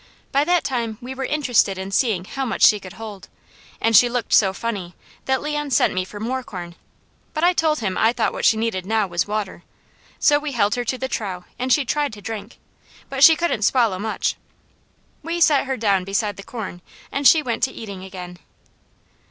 By that time we were interested in seeing how much she could hold; and she looked so funny that Leon sent me for more corn; but I told him I thought what she needed now was water, so we held her to the trough, and she tried to drink, but she couldn't swallow much. We set her down beside the corn, and she went to eating again.